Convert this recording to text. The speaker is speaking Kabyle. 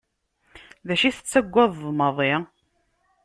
D acu tettagadeḍ maḍi?